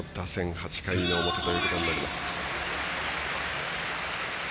８回の表ということになります。